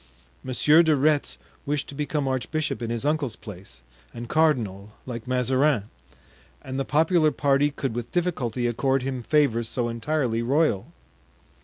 Monsieur de Retz wished to become archbishop in his uncle's place, and cardinal, like Mazarin; and the popular party could with difficulty accord him favors so entirely royal.